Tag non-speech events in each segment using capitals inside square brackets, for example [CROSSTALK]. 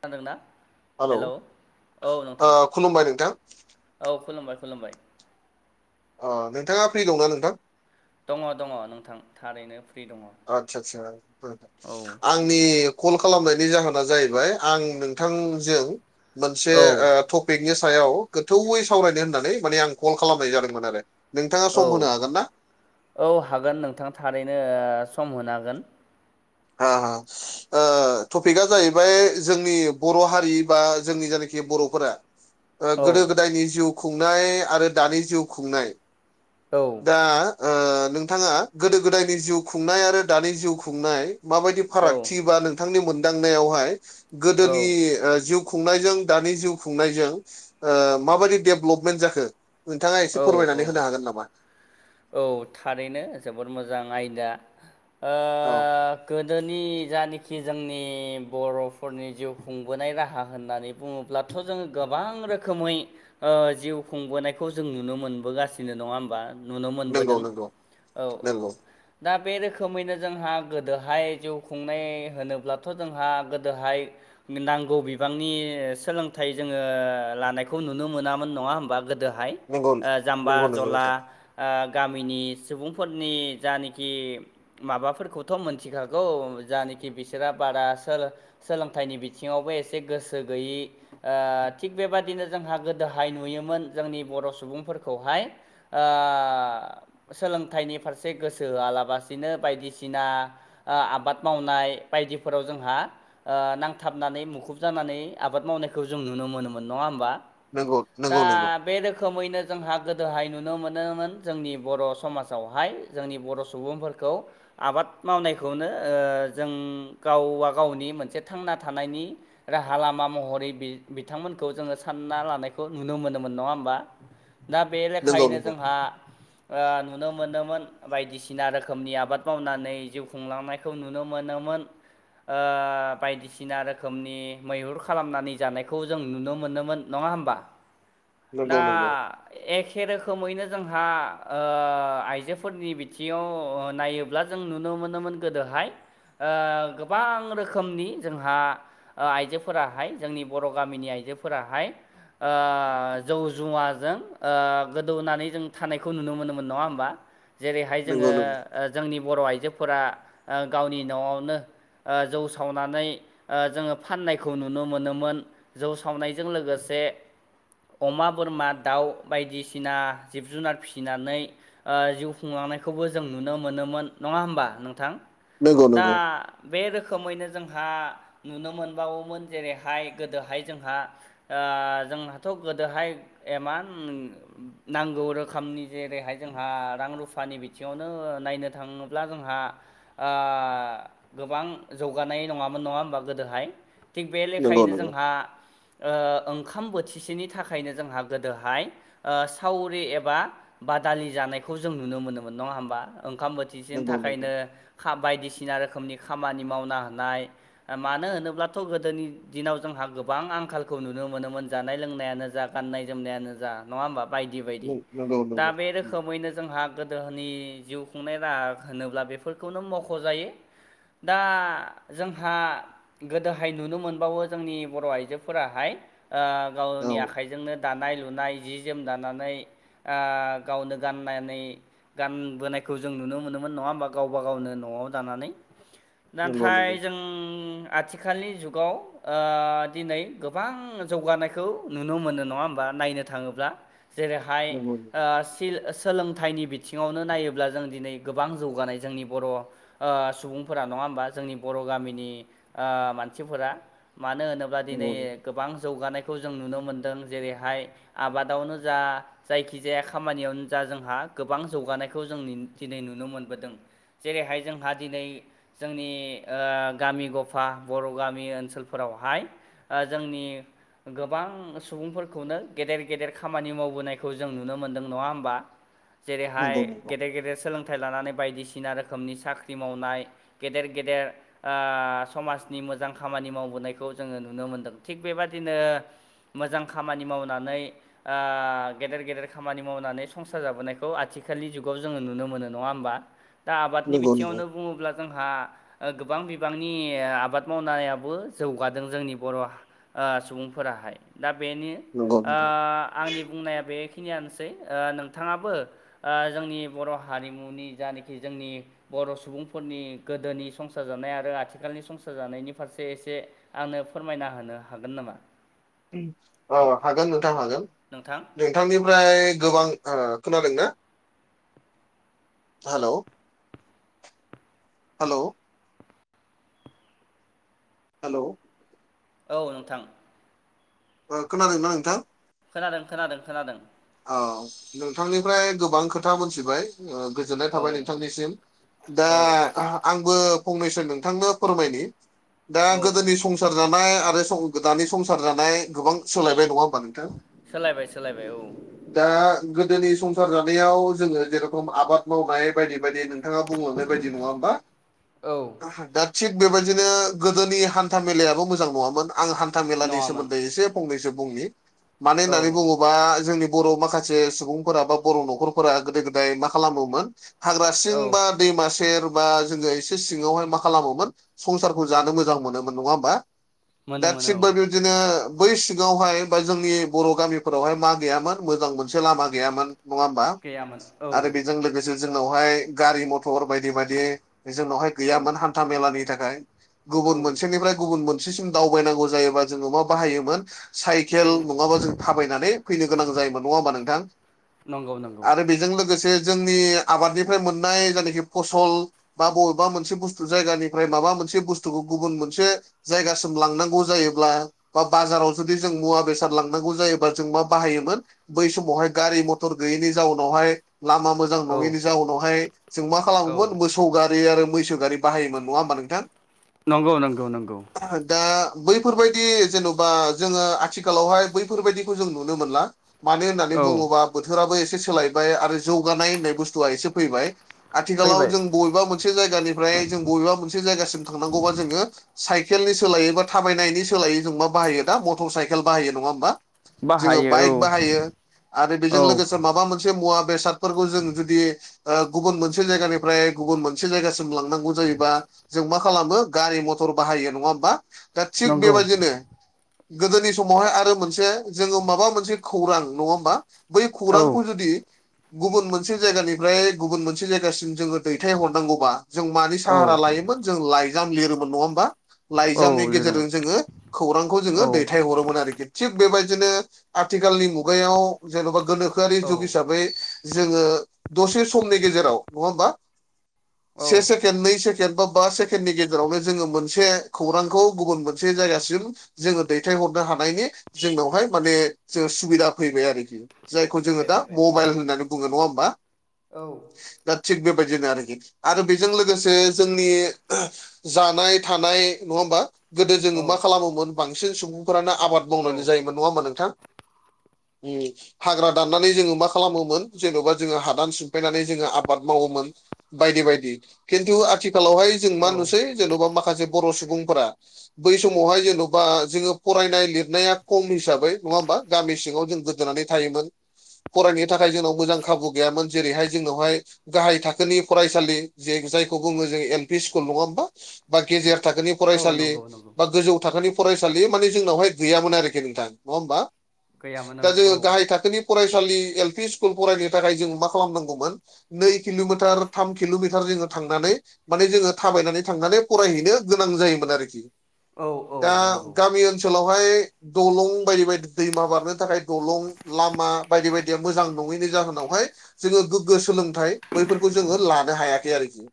खोनादों ना हेल' खुलुमबाय नोंथां औ खुलुमबाय खुलुमबाय अ नोंथाङा फ्रि दंना नोंथां दङ दङ नोंथां थारैनो फ्रि दङ आतसा आसाथ आंनि कल खालामनायनि जाहोना जाहैबाय आं नोंथांजों मोनसे औ बेंकनि सायाव गोथौयै सावरायनो होननानै माने आं कल खालामनाय जादोंमोन आरो नोंथाङा औ सम होनो हागोन ना औ हागोन नोंथां थारैनो सम होनो हागोन ह ह ओ टपिकआ जाहैबाय जोंनि बर' हारि बा जोंनि जायनाखि बर'फोरा ओ औ गोदो गोदायनि जिउ खुंनाय आरो दानि जिउ खुंनाय औ दा ओ नोंथाङा गोदो गोदायनि जिउ खुंनाय आरो दानि जिउ खुंनाय माबायदि फारागथि बा नोंथांनि मोनदांनायावहाय औ गोदोनि ओ जिउ खुंनायजों दानि जिउ खुंनायजों ओ माबायदि डेभलपमेन्ट जाखो नोंथाङा एसे औ फोरमायनानै औ होनो हागोन नामा औ थारैनो जबोद मोजां आयदा ओ औ गोदोनि जानखि जोंनि बर'फोरनि जिउ खुंबोनाय राहा होननानै बुङोब्लाथ' जोङो गोबां रोखोमै जिउ खुंबोनायखौ खौ जों नुनो मोनबोगासिनो नङा होमबा नुनो नंगौ मोनबोदों नंगौ औ औ नंगौ दा बे रोखोमैनो जोंहा गोदोहाय जिउ खुंनाय होनोब्लाथ' जोंहा गोदोहाय नांगौ बिबांनि सोलोंथाइ जोङो लानायखौ नुनो मोनामोन नङा होमबा गोदोहाय नंगौ जाम्बा नंगौ नंगौ जला नोंथां गामिनि सुबुंफोरनि जानखि माबाफोरखौथ' मोनथिखागौ जानखि बिसोरा बार सोरोल सोलोंथाइनि बिथिङावबो एसे गोसो गैयि ओ थिग बेबादिनो जोंहा गोदोहाय नुयोमोन जोंनि बर' सुबुंफोरखौहाय ओ सोलोंथाइनि फारसे गोसो होआलाबसिनो बायदिसिना ओ आबाद मावनाय बायदिफोराव जोंहा ओ नांथाबनानै मुखुब जानानै आबाद मावनायखौ जों नुनो मोनोमोन नङा होमबा नंगौ दा नंगौ नंगौ बे रो रोखोमैनो जोंहा गोदोहाय नुनो मोनोमोन जोंनि बर' समाजावहाय जोंनि बर' सुबुंफोरखौ आबाद मावनायखौनो ओ जों गावबा गावनि मोनसे थांना थानायनि राहा लामा महरै बिथांमोनखौ जोङो सानना लानायखौ नुनो मोनोमोन नङा होमबा दा बे लेखायैनो नंगौ जोंहा ओ नुनो मोनोमोन बायदिसिना रोखोमनि आबाद मावनानै जिउ खुंलांनायखौ नुनो मोनोमोन ओ बायदिसिना रोखोमनि मैहुर खालामनानै जानायखौ जों नुनो मोनोमोन नङा होमबा [INAUDIBLE] दा नंगौ एखे रोखोमैनो जोंहा ओ आइजोफोरनि बिथिङाव नायो ब्ला जों नुनो मोनोमोन गोदोहाय ओ गोबां रोखोमनि जोंहा ओ आइजोफोराहाय जोंनि बर' गामिनि आइजोफोराहाय ओ जौ जुवा जों ओ गोदौनानै जों थानायखौ नुनो मोनोमोन नङा होमबा जेरैहाय जोङो नंगौ नंगौ जोंनि बर' आइजोफोरा गावनि न'आवनो ओ जौ सावनानै ओ जोङो फाननायखौ नुनो मोनोमोन जौ सावनायजों लोगोसे अमा बोरमा दाउ बायदिसिना जिब जुनार फिसिनानै ओ जिउ खुंलांनायखौबो जों नुनो मोनोमोन नङा होमबा नोंथां नंगौ दा बे रोखोमैनो जोंहा नुनो मोनबावोमोन जेरैहाय गोदोहाय जोंहा ओ जोंहाथ' गोदोहाय एमान नांगौ रोखोमनि जेरैहाय जोंहा रां रुफानि बिथिङावनो नायनो थाङोब्ला जोंहा ओ गोबां जौगानाय नङामोन नङा होमबा गोदोहाय थिग बे नंगौ नंगौ लेखायैनो जोंहा ओ ओंखाम बोथिसेनि थाखायनो जोंहा गोदोहाय ओ सावरि एबा बादालि जानायखौ जों नुनो मोनोमोन नङा होमबा ओंखाम बोथिसेनि नंगौ नंगौ थाखायनो खा- बायदिसिना रोखोमनि खामानि मावना होनाय मानो होनोब्लाथ' गोदोनि दिनाव जोंहा गोबां आंखालखौ नुनो मोनोमोन जानाय लोंनायानो जा गाननाय जोमनायानो जा नङा होमबा बायदि बायदि नंगौ नंगौ दा बे रोखोम रोखोमैनो जोंहा गोदोनि जिउ खुंनाय राहा होनोब्ला बेफोरखौनो मख'जायो। दा जोंहा गोदोहाय नुनो मोनबावो जोंनि बर' आइजोफोराहाय ओ गावनि औ आखाइजोंनो दानाय लुनाय जि जोम दानानै ओ गावनो गाननानै गानबोनायखौ जों नुनो मोनोमोन नङा होमबा गावबा गावनो न'आव दानानै। नंगौ नाथाय नंगौ जों आथिखालनि जुगाव ओ दिनै गोबां जौगानायखौ नुनो मोनो नङा होम बा नायनो थाङोब्ला जेरैहाय नंगौ ओ फिल सोलोंथाइनि बिथिङावनो नायोब्ला जों दिनै गोबां जौगानाय जोंनि बर' ओ सुबुंफोरा नङा होमबा जोंनि बर' गामिनि ओ मानसिफोरा मानो होनो बा दिनै नंगौ नंगौ गोबां जौगानायखौ जों नुनो मोनदों जेरैहाय आबादावनो जा जायखिजाया खामानियावनो जा जोंहा गोबां जौगानायखौ जोंनि दिनै नुनो मोनबोदों। जेरैहाय जोंहा दिनै जोंनि ओ गामि गफा बर' गामि ओनसोलफोरावहाय ओ जोंनि गोबां सुबुंफोर खौनो गेदेर गेदेर खामानि मावबोनायखौ जों नुनो मोन्दों नङा होमबा? जेरैहाय नंगौ नंगौ गेदेर गेदेर सोलोंथाइ लानानै बायदिसिना रोखोमनि साख्रि मावनाय। गेदेर गेदेर ओ समाजनि मोजां खामानि मावबोनायखौ जोङो नुनो मोनदों थिग बेबादिनो मोजां खामानि मावनानै ओ गेदेर गेदेर खामानि मावनानै संसार जाबोनायखौ आथिखालनि जुगाव जोङो नुनो मोनो। नङा होमबा दा आबादनि नंगौ नंगौ बिथिङावनो बुङोब्ला जोंहा ओ गोबां बिबांनि आबाद मावनायाबो जौगादों जोंनि बर' ओ सुबुंफोराहाय दा बेनो नंगौ ओ नंगौ आंनि बुंनाया बे खिनियानोसै ओ नोंथाङाबो ओ जोंनि बर' हारिमुनि जानाखि जोंनि बर' सुबुंफोरनि गोदोनि संसार जानाय आरो आथिखालनि संसार जानायनि फारसे एसे आंनो फोरमायना होनो हागोन नामा? औ हागोन नोंथां हागोन नोंथां दे। नोंथांनिफ्राय गोबां ओ खोनादोंना? हेल'। हेल'। हेल' औ नोंथां। ओ खोनादों ना नोंथां? खोनादों खोनादों खोनादों। अ नोंथांनिफ्राय गोबां खोथा मोनथिबाय। ओ गोजोननाय औ थाबाय नोंथांनिसिम दा औ आंबो फंनैसो नोंथांनो फोरमायनि दा औ गोदोनि संसार जानाय आरो सं दानि संसार जानाय गोबां सोलायबाय नङा होमबा नोंथां? सोलायबाय सोलायबाय औ। दा गोदोनि संसार जानायाव जोङो जेरेखम आबाद मावनाय बायदि बायदि नों थाङा बुंलांनाय बायदि नङा होमबा। औ दा थिग बेबायदिनो गोदोनि हान्था मेलायाबो मोजां नङामोन आं हान था मेलानि नङामोन सोमोन्दै एसे फंनैसो बुंनि मानो औ होननानै बुङोबा जोंनि बर' माखासे सुबुंफोरा बा बर' न'खरफोरा गोदो गोदाय मा खालामोमोन हाग्रा सिं औ बा दैमा सेर बा जोङो एसे सिङावहाय मा खालामोमोन संसारखौ जानो मोजां मोनोमोन नङा होमबा? दा मोनोमोन थिग औ बा बिबदिनो बै सिगावहाय बा जोंनि बर' गामिफोरावहाय मा गैयामोन? मोजां मोनसे लामा गैयामोन नङा होमबा गैयामोन औ आरो बेजों लोगोसे जोंनावहाय गारि मथर बायदि बायदि जोंनावहाय औ गैयामोन हान्था मेलानि थाखाय। औ गुबुन मोनसेनिफ्राय गुबुन मोनसेसिम दावबायनांगौ जायोबा जोङो मा बाहायोमोन? साइखेल औ नङाबा जों थाबायनानै फैनो गोनां जायोमोन नङा होमबा नोंथां? नंगौ नंगौ आरो बेजों लोगोसे जोंनि आबादनिफ्राय मोननाय जायनाखि फसल बा बबेबा मोनसे बुस्थु जायगानिफ्राय माबा मोनसे बुस्थुखौ गुबुन मोनसे जायगासिम लांनांगौ जायोब्ला ओ बा बाजाराव जुदि जों मुवा बेसाद लांनांगौ जायोबा जों मा बाहायोमोन बै समावहाय गारि मथर गैयैनि जाउनावहाय लामा मोज जां औ नङिनि जाउनावहाय जों मा औ खालामोमोन मोसौ गारि आरो मैसो गारि बाहायोमोन नङा होमबा नोंथां? नंगौ नंगौ नंगौ। दा बैफोरबायदि जेन'बा जोङो आथिखालावहाय बैफोरबायदिखौ जों नुनो मोनला। मानो होननानै औ बुङोब्ला बोथोराबो एसे सोलायबाय आरो जौगानाय होननाय बुस्थुआ एसे फैबाय। आथिखालाव फैबाय जों बबेबा मोनसे जायगानिफ्राय जों बबेबा मोनसे जायगासिम थांनांगौबा जोङो साइकेलनि सोलायै एबा थाबायनायनि सोलायै जों मा बाहायो दा मटर साइकेल बाहायो नङा होमबा? जोङो बाहायो बाइक औ। बाहायो आरो बेजों औ लोगोसे माबा मोनसे मुवा बेसादफोरखौ जों जुदि ओ गुबुन मोनसे जायगानिफ्राय गुबुन मोनसे जायगासिम लांनांगौ जायोबा जों मा खालामो गारि मथर बाहायो नङा होमबा? दा थिग नंगौ बेबायदिनो गोदोनि समावहाय आरो मोनसे जोङो माबा मोनसे खौरां नङा होमबा? बै औ खौरांखौ जुदि गुबुन मोनसे जायगानिफ्राय गुबुन मोनसे जायगासिम जोङो दैथाय हरनांगौबा जों मानि औ साहारा लायोमोन, जों लाइजाम लिरोमोन नङा होमबा? औ लाइजामनि लिरदोंमोन गेजेरजों जोङो खौरांखौ जोङो औ दैथायहरोमोन आरोखि थिग बेबायदिनो आथिखालनि मुगायाव जेन'बा गोनोखोआरि जुग औ हिसाबै जोङो दसे समनि गेजेराव नङा होमबा से औ से सेकेण्ड, नै सेकेण्ड, बा बा सेकेण्डनि गेजेरावनो जोङो मोनसे खौरांखौ गुबुन मोनसे जायगासिम जोङो दैथायहरनो हानायनि जोंनावहाय माने जोङो सुबिदा फैबाय आरोखि जायखौ जोङो फैबाय दा फैबाय मबाइल होननानै बुङो नङा होमबा? औ। दा थिग बेबायदिनो आरोखि आरो बेजों लोगोसे जोंनि जानाय थानाय नङा होमबा? गोदो जोङो औ मा खालामोमोन, बांसिन सुबुंफोरानो आबाद औ मावनानै जायोमोन नङा होमबा नोंथां? उम। हाग्रा दाननानै जोङो मा खालामोमोन जेन'बा जोङो हादान सिमफायनानै जोङो आबाद मावोमोन बायदि बायदि। खिन्थु आथिखालावहाय जों मा औ नुसै जेन'बा माखासे बर' सुबुंफोरा बै समावहाय जेन'बा जोङो फरायनाय लिरनाया खम हिसाबै नङा होमबा? गामि सिङाव जों गोदोनानै थायोमोन फरायनो थाखाय जोंनाव मोजां खाबु गैयामोन। जेरैहाय जोंनावहाय गाहाय थाखोनि फरायसालि जे जायखौ बुङो जों एल पि स्कुल नङा होमबा? बा गेजेर थाखोनि औ फरायसालि नंगौ नंगौ बा गोजौ थाखोनि फरायसालि मानि जोंनावहाय गैयामोन आरोखि नोंथां नङा होमबा? गैयामोन औ दा जोङो गाहाय औ थाखोनि फरायसालि एल पि स्कुल फरायनो थाखाय जों मा खालामनांगौमोन? नै किल'मिटार थाम किल'मिटार जोङो थांनानै माने जोङो थाबायनानै थांनानै फरायहैनो गोनां जायोमोन आरोखि। औ औ दा नंगौ गामि ओन सोलावहाय दलं बायदि बायदि दैमा बारनो थाखाय दलं लामा बायदि बायदिया मोजां नङैनि जाहोनावहाय जोङो गोग्गो सोलोंथाइ बैफोरखौ जोङो लानो हायाखै आरोखि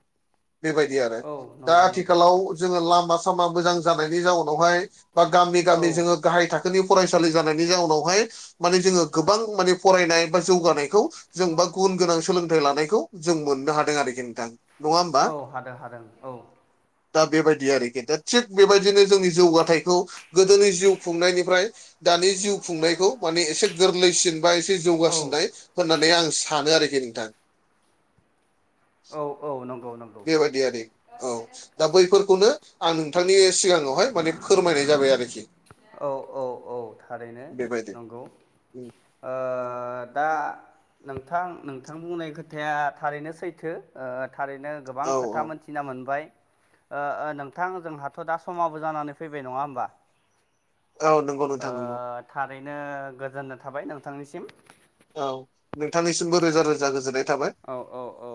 बेबायदि आरो औ दा नंगौ नंगौ आथिखालाव जोङो लामा- सामा मोजां जानायनि जाउनावहाय बा गामि औ -गामि जोङो गाहाय थाखोनि फरायसालि जानायनि जाउनावहाय माने जोङो गोबां माने फरायनाय बा जौगानायखौ जों बा गुबुन गोनां सोलोंथाइ लानायखौ जों मोननो हादों आरोखि नोंथां नङा होमबा औ हादों हादों औ दा बेबायदि आरोखि दा थिग बेबायदिनो जोंनि जौगाथाइखौ गोदोनि जिउ खुंनायनिफ्राय दानि जिउ खुंनायखौ माने एसे गोरलैसिन बा एसे औ जौगासिननाय होननानै आं सानो आरोखि नोंथां औ औ नंगौ नंगौ बिबादि आरो औ दा बैफोरखौनो आं नोंथांनि सिगांआवहाय माने फोरमायनाय जाबाय आरोखि। औ औ औ थारैनो बेबायदि नंगौ। ओ दा नोंथां, नोंथां बुंनाय खोथाया थारैनो सैथो ओ थारैनो गोबां औ औ खोथा मोनथिना मोनबाय ओ नोंथां जोंहाथ' दा समाबो जानानै फै फैबाय नङा होमबा? औ नों ओ थारैनो गोजोननो थाबाय नोंथांनिसिम। औ नोंथांनिसिमबो रोजा रोजा गोजोननाय थाबाय। औ औ औ।